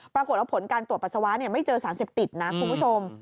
ปรากฏว่าผลการตรวจปัสสาวะไม่เจอสารเสพติดนะคุณผู้ชม